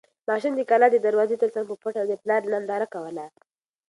ماشوم د کلا د دروازې تر څنګ په پټه د پلار ننداره کوله.